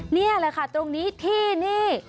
นี่แหละค่ะตรงนี้ที่นี่